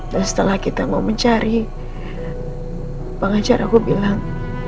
dan setelah kita mau mencari pengacara aku bilang